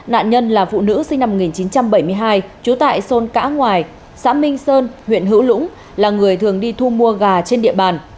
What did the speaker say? nạn nhân là phụ nữ sinh năm một nghìn chín trăm bảy mươi hai trú tại thôn cãi xã minh sơn huyện hữu lũng là người thường đi thu mua gà trên địa bàn